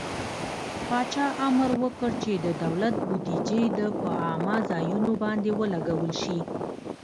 پاچا امر وکړ چې د دولت بودجې د په عامه ځايونو باندې ولګول شي.